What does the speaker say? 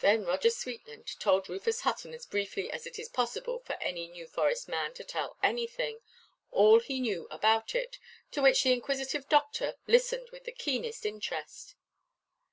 Then Roger Sweetland told Rufus Hutton, as briefly as it is possible for any New Forest man to tell anything, all he knew about it; to which the inquisitive doctor listened with the keenest interest.